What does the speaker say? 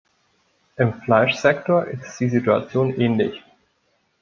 Im Fleischsektor ist die Situation ähnlich.